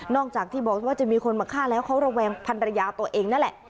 จากที่บอกว่าจะมีคนมาฆ่าแล้วเขาระแวงพันรยาตัวเองนั่นแหละ